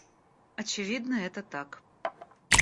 Очевидно это так